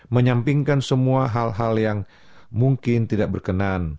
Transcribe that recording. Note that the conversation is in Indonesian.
menyampingkan semua hal hal yang mungkin tidak berkenan